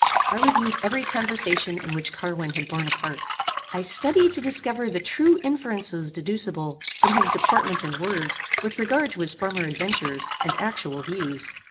I reviewed every conversation in which Carwin had borne a part. I studied to discover the true inferences deducible from his deportment and words with regard to his former adventures and actual views.